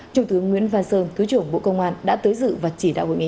trung tướng nguyễn văn sơn thứ trưởng bộ công an đã tới dự và chỉ đạo hội nghị